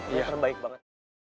iya bener bener baik banget